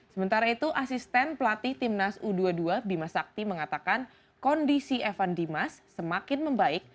sementara itu asisten pelatih timnas u dua puluh dua bima sakti mengatakan kondisi evan dimas semakin membaik